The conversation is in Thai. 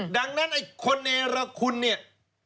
ดังนั้นคนนี้ละคุณเนี่ย